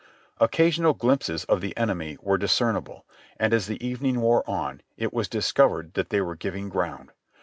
Occasional glimpses of the enemy were discernible, and as the evening wore on it was discovered that they were giving ground.